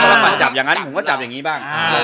แล้วมันจับอย่างนั้นผมก็จับอย่างนี้บ้าง